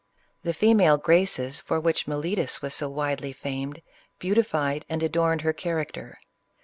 The female graces for which Mile tus was so widely famed, beautified and adorned her character.